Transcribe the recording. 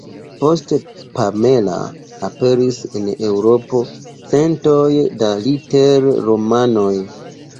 Post "Pamela" aperis en Eŭropo centoj da liter-romanoj.